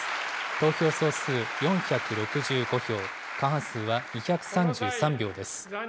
投票総数４６５票、過半数は２３３票です。